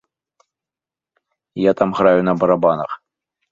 Я там граю на барабанах.